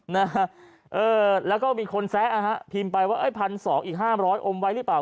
ไม่ได้แล้วก็มีคนแซะพิมพ์ไปว่า๑๒๐๐อีก๕๐๐อมไว้หรือเปล่า